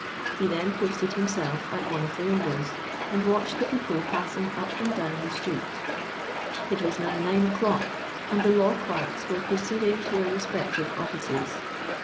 He then posted himself at one of the windows, and watched the people passing up and down the street. It was now nine o'clock, and the law clerks were proceeding to their respective offices.